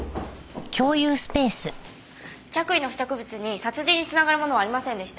着衣の付着物に殺人につながるものはありませんでした。